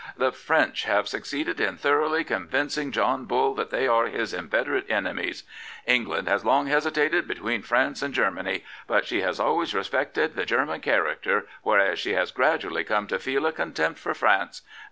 ... The French have succeeded in thorougWy convincing John Bull that they are his inveterate enemies. ... England has long hesitated between France and Germany. But she has always respected the Gennan character, whereas she has gradually come to feel a contempt for France